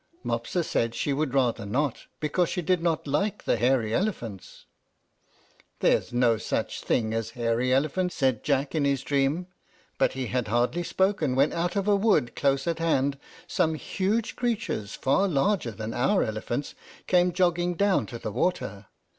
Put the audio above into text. Mopsa said she would rather not, because she did not like the hairy elephants. "There are no such things as hairy elephants," said Jack, in his dream; but he had hardly spoken when out of a wood close at hand some huge creatures, far larger than our elephants, came jogging down to the water.